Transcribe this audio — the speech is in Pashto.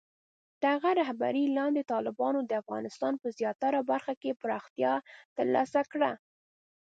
د هغه رهبرۍ لاندې، طالبانو د افغانستان په زیاتره برخو کې پراختیا ترلاسه کړه.